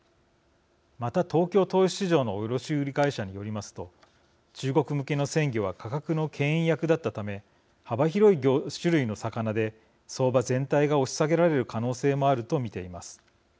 また、東京・豊洲市場の卸売会社によりますと中国向けの鮮魚は価格のけん引役だったため幅広い種類の魚で相場全体が押し下げられる可能性もあると見ています。